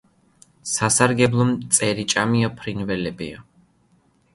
სასარგებლო მწერიჭამია ფრინველებია.